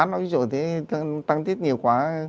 nói ví dụ như thế tăng tiết nhiều quá